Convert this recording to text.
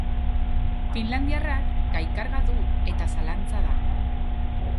Finlandiarrak gainkarga du eta zalantza da.